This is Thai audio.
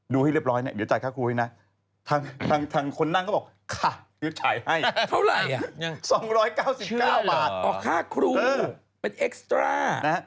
ดูให้เรียบร้อยเนี่ย